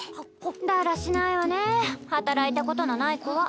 だらしないわね働いたことのない子は。